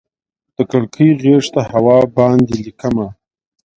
د کړکۍ غیږ ته هوا باندې ليکمه